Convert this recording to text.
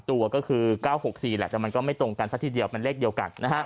ตัวคือ๙๖๔แต่ไม่ตรงกันเลขเดียวกัน